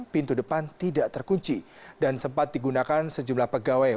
pintu depan tidak terkunci dan sempat digunakan sejumlah pegawai